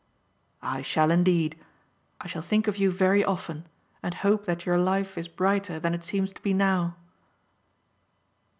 "I shall indeed. I shall think of you very often and hope that your life is brighter than it seems to be now."